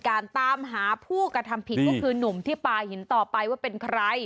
ตามหาผู้กระทำผิดก็คือหนุ่มที่ปลาหินต่อไปว่าเป็นใคร